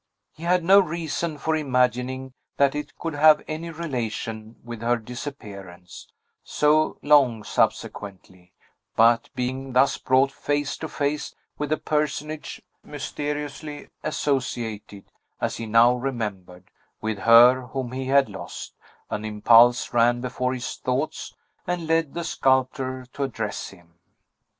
He had no reason for imagining that it could have any relation with her disappearance, so long subsequently; but, being thus brought face to face with a personage, mysteriously associated, as he now remembered, with her whom he had lost, an impulse ran before his thoughts and led the sculptor to address him.